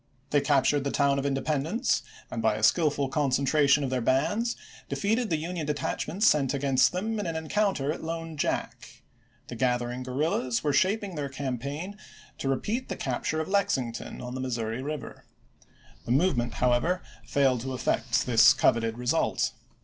They captured the town of Independence and, by Aug.11,1862. a skillful concentration of their bands, defeated the Union detachments sent against them in an en counter at Lone Jack. The gathering guerrillas Aug.i6,i862. were shaping their campaign to repeat the capture of Lexington on the Missouri River. The move ment, however, failed to effect this coveted result.